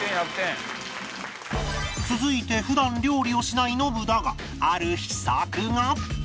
続いて普段料理をしないノブだがある秘策が